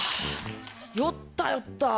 酔った酔った。